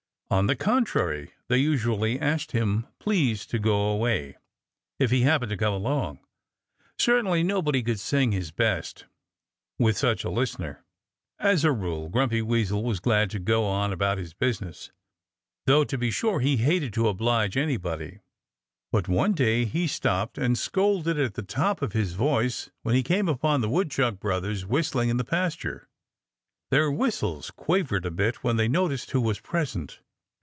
On the contrary they usually asked him please to go away, if he happened to come along. Certainly nobody could sing his best, with such a listener. As a rule Grumpy Weasel was glad to go on about his business, though to be sure he hated to oblige anybody. But one day he stopped and scolded at the top of his voice when he came upon the Woodchuck brothers whistling in the pasture. Their whistles quavered a bit when they noticed who was present.